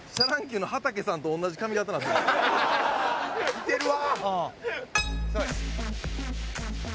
似てるわ！